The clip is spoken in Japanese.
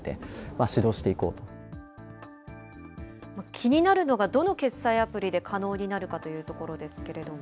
気になるのが、どの決済アプリで可能になるかというところですけれども。